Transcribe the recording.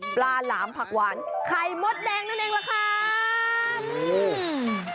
หลามผักหวานไข่มดแดงนั่นเองล่ะครับ